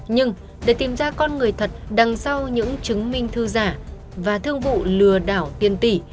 nhưng để tìm ra con người thật đằng sau những chứng minh thư giả và thương vụ lừa đảo tiền tỷ